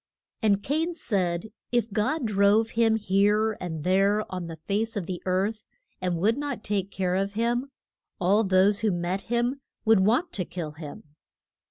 ] And Cain said if God drove him here and there on the face of the earth, and would not take care of him, all those who met him would want to kill him.